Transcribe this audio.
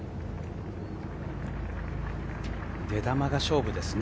出球が勝負ですね。